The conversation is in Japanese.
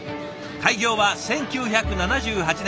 開業は１９７８年。